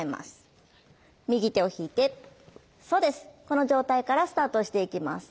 この状態からスタートしていきます。